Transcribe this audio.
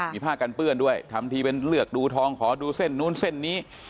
มีผ้ากันเปื้อนด้วยทำทีเป็นเลือกดูทองขอดูเส้นนู้นเส้นนี้